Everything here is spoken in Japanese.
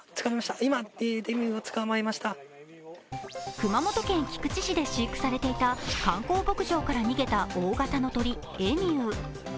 熊本県菊池市で飼育されていた観光牧場から逃げた大型の鳥・エミュー。